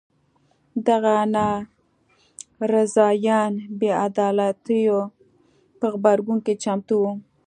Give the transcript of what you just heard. دغه ناراضیان بې عدالیتو په غبرګون کې چمتو وو.